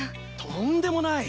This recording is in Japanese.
とんでもない！